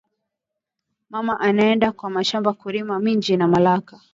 Mama ana enda ku mashamba ku rima minji na malaki